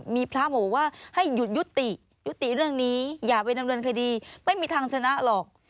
มีพระบอกว่าให้หยุดยุติยุติเรื่องนี้อย่าไปดำเนินคดีไม่มีทางชนะหรอก